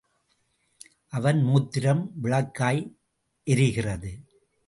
அவன் மூத்திரம் விளக்காய் எரிகிறது.